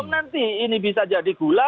nanti ini bisa jadi gula